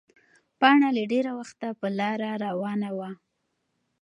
پاڼه له ډېره وخته په لاره روانه وه.